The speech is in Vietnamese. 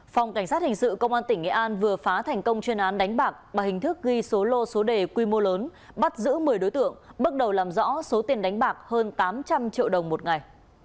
phòng cảnh sát hình sự công an tỉnh nghệ an vừa phá thành công chuyên án đánh bạc bằng hình thức ghi số lô số đề quy mô lớn bắt giữ một mươi đối tượng bước đầu làm rõ số tiền đánh bạc hơn tám trăm linh triệu đồng một ngày